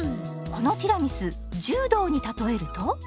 このティラミス柔道に例えると？